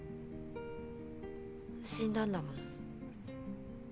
死んだんだもん。